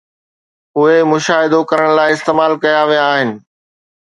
اهي مشاهدو ڪرڻ لاء استعمال ڪيا ويا آهن